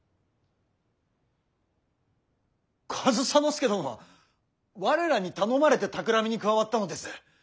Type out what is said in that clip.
上総介殿は我らに頼まれてたくらみに加わったのです。